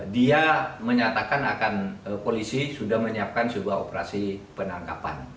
dia menyatakan akan polisi sudah menyiapkan sebuah operasi penangkapan